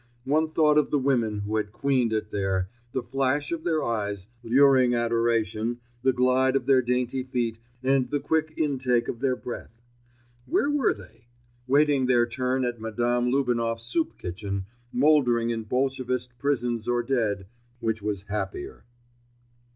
One thought of the women who had queened it there—the flash of their eyes, luring adoration, the glide of their dainty feet and the quick in take of their breath. Where were they? Waiting their turn at Madame Lubinoff's soup kitchen, mouldering in Bolshevist prisons or dead, which was happier.